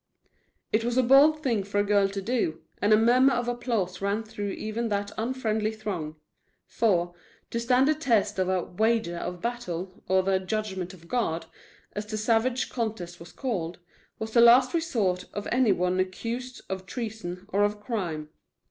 It was a bold thing for a girl to do, and a murmur of applause ran through even that unfriendly throng. For, to stand the test of a "wager of battle," or the "judgment of God," as the savage contest was called, was the last resort of any one accused of treason or of crime.